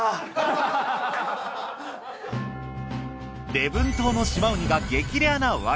礼文島の島ウニが激レアな訳。